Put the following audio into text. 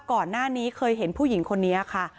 ก่อนหน้านี้เคยเห็นผู้หญิงคนนี้ค่ะ